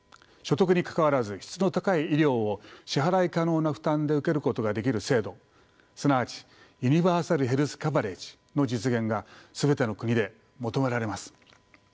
所得にかかわらず質の高い医療を支払い可能な負担で受けることができる制度すなわちユニバーサル・ヘルス・カバレッジの実現が全ての国で求められます。